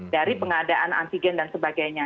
dari pengadaan antigen dan sebagainya